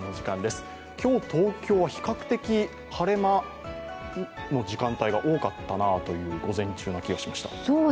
今日、東京は比較的、晴れ間の時間帯が多かったなという午前中、気がしました。